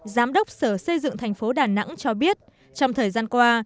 giám đốc sở xây dựng thành phố đà nẵng cho biết trong thời gian qua